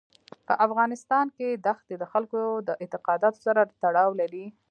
په افغانستان کې دښتې د خلکو د اعتقاداتو سره تړاو لري.